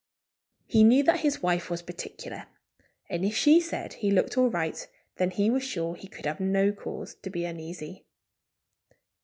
He knew that his wife was particular. And if she said he looked all right then he was sure he could have no cause to be uneasy.